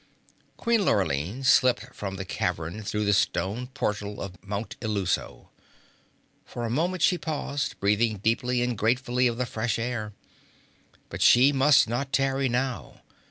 Queen Lurline slipped from the cavern through the stone portal of Mount Illuso. For a moment she paused, breathing deeply and gratefully of the fresh air. But she must not tarry now.